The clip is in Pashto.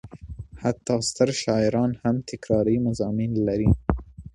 حتی ستر شاعران هم تکراري مضامین لري.